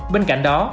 bên cạnh đó